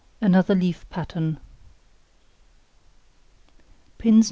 Another Leaf Pattern. Pins No.